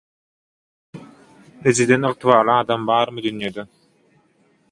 Ejeden ygtybarly adam barmy dünýede?